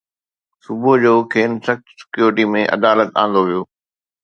صبح جو کين سخت سيڪيورٽي ۾ عدالت آندو ويو